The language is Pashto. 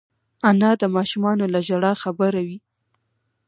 انا د ماشومانو له ژړا خبروي